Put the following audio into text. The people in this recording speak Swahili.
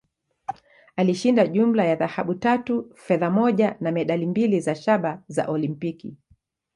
Alishinda jumla ya dhahabu tatu, fedha moja, na medali mbili za shaba za Olimpiki.